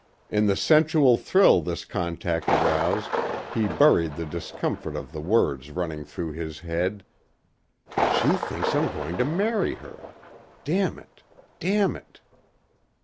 In the sensual thrill this contact aroused he buried the discomfort of the words running through his head "she thinks I'm going to marry her. Damn it ... damn it...."